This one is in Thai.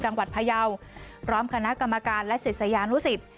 จังหวัดพยาวพร้อมคณะกรรมการและศิษยานุศิษฐ์